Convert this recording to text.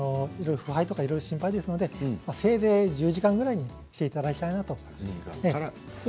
腐敗とか心配ですのでせいぜい１０時間ぐらいまでにしてもらいたいと思います。